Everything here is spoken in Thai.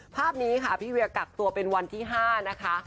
ภาพนี้ค่ะพี่เวียกักตัวเป็นวันที่๕นะคะ